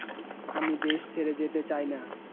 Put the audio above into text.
আমি দেশ ছেড়ে যেতে চাই না।